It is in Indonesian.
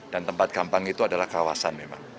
dan tempat gampang itu adalah kawasan memang